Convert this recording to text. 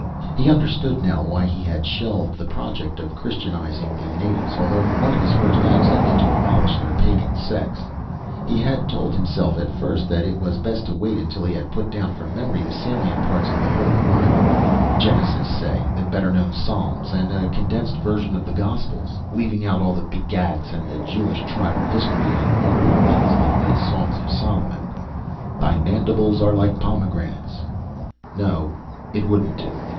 He understood now why he had shelved the project of Christianizing the natives, although one of his first acts had been to abolish their pagan sects. He had told himself at first that it was best to wait until he had put down from memory the salient parts of the Holy Bible Genesis, say, the better known Psalms, and a condensed version of the Gospels; leaving out all the begats, and the Jewish tribal history, and awkward things like the Songs of Solomon. (Thy mandibles are like pomegranates ... no, it wouldn't do).